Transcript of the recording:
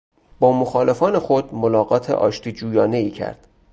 با مخالفان خود ملاقات آشتی جویانهای کرد.